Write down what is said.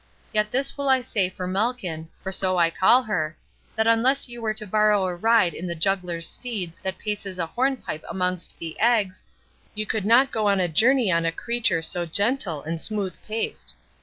Yet this will I say for Malkin, for so I call her, that unless you were to borrow a ride on the juggler's steed that paces a hornpipe amongst the eggs, you could not go a journey on a creature so gentle and smooth paced.